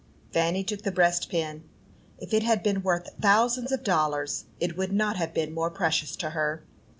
Fanny took the breastpin. If it had been worth thousands of dollars, it would not have been more precious to her.